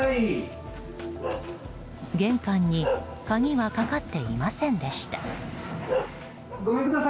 玄関に鍵はかかっていませんでした。